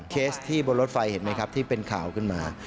เคสที่บนรถไฟเห็นไหมครับที่เป็นข่าวขึ้นมา